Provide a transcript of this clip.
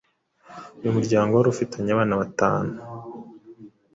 Uyu muryango wari ufitanye abana batanu